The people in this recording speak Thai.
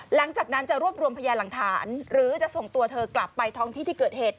หลังจากนั้นจะรวบรวมพยานหลักฐานหรือจะส่งตัวเธอกลับไปท้องที่ที่เกิดเหตุ